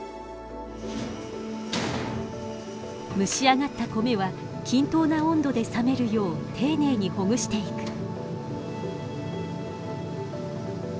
蒸し上がった米は均等な温度で冷めるよう丁寧にほぐしていく。